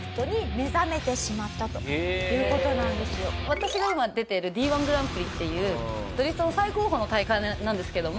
私が今出てるＤ１グランプリっていうドリフトの最高峰の大会なんですけども。